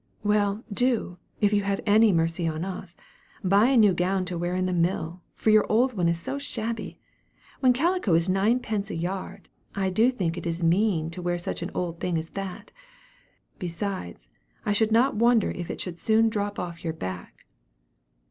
"Well, do, if you have any mercy on us, buy a new gown to wear in the Mill, for your old one is so shabby. When calico is nine pence a yard, I do think it is mean to wear such an old thing as that; besides, I should not wonder if it should soon drop off your back."